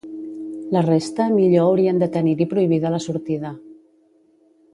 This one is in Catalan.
La resta millor haurien de tenir-hi prohibida la sortida.